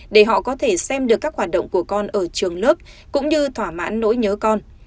để họ có thể xem được các hoạt động của con ở trường lớp cũng như thỏa mãn nỗi nhớ con